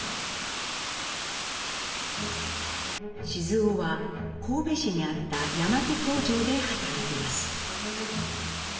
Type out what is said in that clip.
雄は神戸市にあった山手工場で働きます。